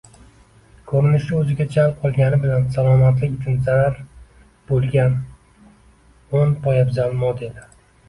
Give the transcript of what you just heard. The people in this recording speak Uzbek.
Ko‘rinishi o‘ziga jalb qilgani bilan salomatlik uchun zarar bo‘lgano´npoyabzal modeli